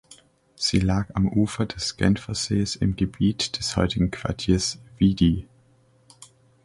Sie lag am Ufer des Genfersees im Gebiet des heutigen Quartiers "Vidy".